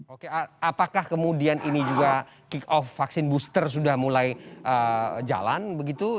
oke apakah kemudian ini juga kick off vaksin booster sudah mulai jalan begitu